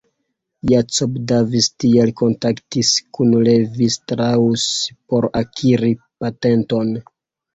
Jacob Davis tial kontaktis kun Levi Strauss por akiri patenton.